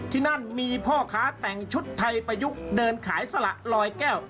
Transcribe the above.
ที่นั่นมีพ่อค้าแต่งชุดไทยประยุกต์เดินขายสละลอยแก้ว